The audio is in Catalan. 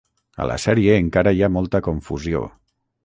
A la sèrie encara hi ha molta confusió.